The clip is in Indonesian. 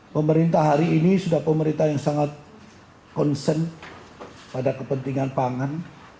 pemerintah hari ini sudah pemerintah yang sangat concern pada kepentingan pangan